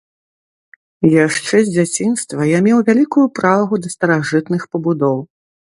Яшчэ з дзяцінства я меў вялікую прагу да старажытных пабудоў.